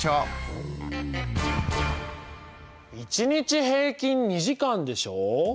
１日平均２時間でしょ。